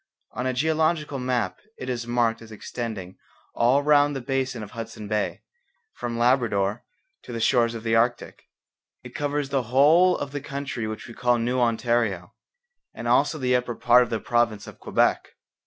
On a geological map it is marked as extending all round the basin of Hudson Bay, from Labrador to the shores of the Arctic. It covers the whole of the country which we call New Ontario, and also the upper part of the province of Quebec.